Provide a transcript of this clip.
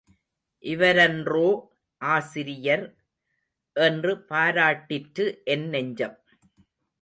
இவரன்றோ, ஆசிரியர் என்று பாராட்டிற்று என் நெஞ்சம்.